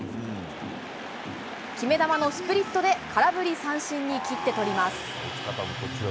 決め球のスプリットで空振り三振に切って取ります。